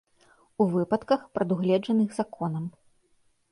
У выпадках, прадугледжаных законам.